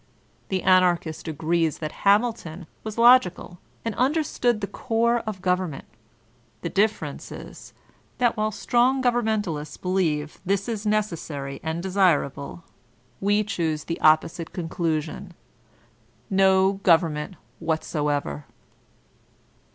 The Anarchist agrees that Hamilton was k^cal, and understood the core of government; the difference is, that while strong govemmentalists believe this is necessary and desirable, we choose the opposite conclusion, no government whatever.